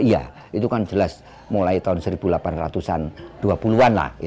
itu kan jelas mulai tahun seribu delapan ratus dua puluh an